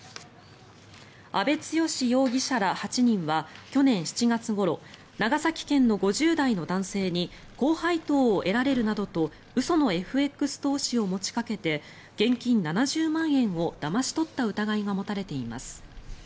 阿部剛容疑者ら８人は去年７月ごろ長崎県の５０代の男性に高配当を得られるなどと嘘のＦＸ投資を持ちかけて現金７０万円をだまし取った疑いが持たれています。